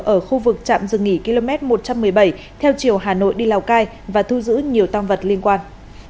ở khu vực trạm dừng nghỉ km một trăm một mươi bảy theo chiều hà nội đi lào cai và thu giữ nhiều tam vật liên quan